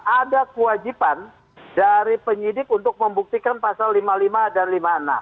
ada kewajiban dari penyidik untuk membuktikan pasal lima puluh lima dan lima puluh enam